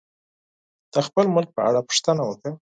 د خپل ملک په اړه پوښتنه وکړه.